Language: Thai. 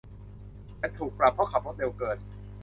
ฉันถูกปรับเพราะขับรถเร็วเกิน